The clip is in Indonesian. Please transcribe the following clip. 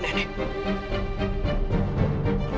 aku akan pergi dari rumah ini